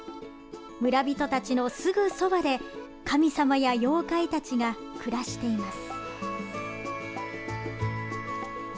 村人たちのすぐそばで神様や妖怪たちが暮らしています。